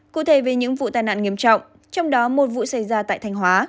cụ thể về những vụ tai nạn nghiêm trọng trong đó một vụ xảy ra tại thanh hóa